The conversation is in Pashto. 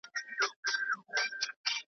د دې زمان ھریو دانا ، نادان مې ولټوو